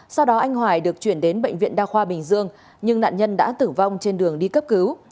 sau đó anh hoài được chuyển đến bệnh viện đa khoa bình dương nhưng nạn nhân đã tử vong trên đường đi cấp cứu